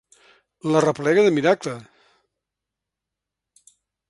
L'arreplega de miracle.